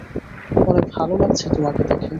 অনেক ভালো লাগছে তোমাকে দেখে।